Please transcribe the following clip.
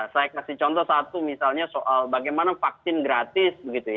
saya kasih contoh satu misalnya soal bagaimana vaksin gratis